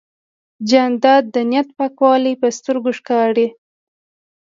جانداد د نیت پاکوالی په سترګو ښکاري.